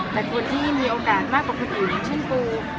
แต่คนที่มีโอกาสมากกว่าคนอื่นอย่างเช่นปู